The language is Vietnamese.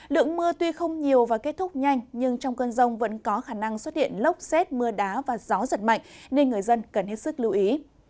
lượng mưa tuy không nhiều và kết thúc nhanh nhưng trong cơn rông vẫn có khả năng xuất hiện lốc xét mưa đá và gió giật mạnh nên người dân cần hết sức lưu ý